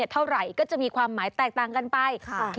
เท่าไหร่ก็จะมีความหมายแตกต่างกันไป